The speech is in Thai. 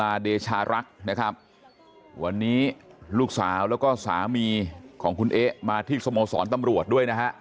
เดชารักษ์นะครับวันนี้ลูกสาวแล้วก็สามีของคุณเอ๊ะมาที่สโมสรตำรวจด้วยนะฮะ